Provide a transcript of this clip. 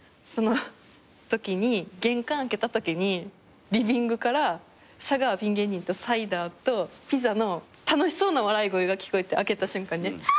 そのときに玄関開けたときにリビングから佐川ピン芸人とサイダーとピザの楽しそうな笑い声が聞こえて開けた瞬間にね。